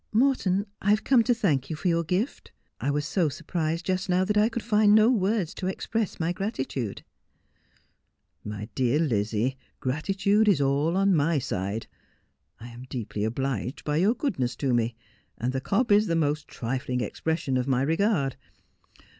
Morton, Y have come to thank you for your gift. I was 30 A Paragon of Cobs 297 surprised just now, that I could find no words to express my gratitude.' ' My dear Lizzie, gratitude is all on my side. I am deeply obliged by your goodness to me ; and the cob is the most trifling expression of my regard.